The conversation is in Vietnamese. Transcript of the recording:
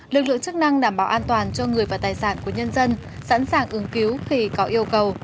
lực lượng chức năng đảm bảo an toàn cho người và tài sản của nhân dân sẵn sàng ứng cứu khi có yêu cầu